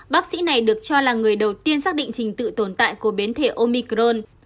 bác sĩ này được cho là người đầu tiên xác định trình tự tồn tại của biến thể omicron